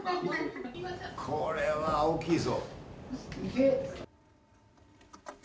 これは大きいぞ。